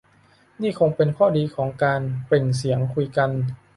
นี่คงเป็นข้อดีของการ "เปล่งเสียง" คุยกัน